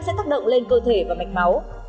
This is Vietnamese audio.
sẽ thắc động lên cơ thể và mạch máu